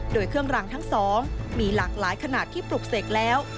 โดยเครื่องรางทั้งสองมีหลากหลายขนาดที่ปลุกเสกแล้ว